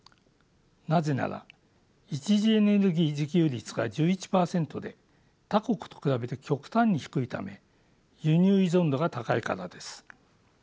なぜなら一次エネルギー自給率が１１％で他国と比べて極端に低いため輸入依存度が高いからです。